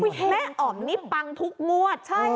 วิบัติคุณแม่ออมนี้ปังทุกงวด